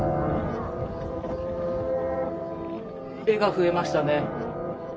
絵が増えましたね。